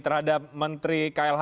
terhadap menteri klhk